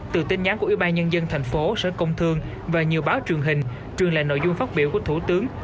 từ tin nhắn của ubnd thành phố sở công thương và nhiều báo truyền hình truyền lại nội dung phát biểu của thủ tướng